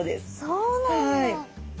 そうなんだ。